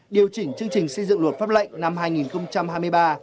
điều chỉnh chương trình xây dựng luật pháp lệnh năm hai nghìn hai mươi ba